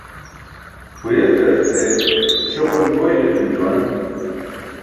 Huyeltarce śopanboyn etum juwan.